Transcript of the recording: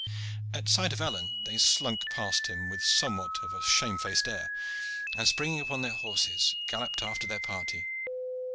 At sight of Alleyne they slunk past him with somewhat of a shame faced air, and springing upon their horses galloped after their party.